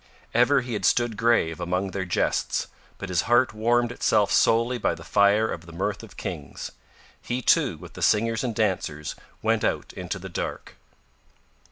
Ever he had stood grave among their jests, but his heart warmed itself solely by the fire of the mirth of Kings. He too, with the singers and dancers, went out into the dark.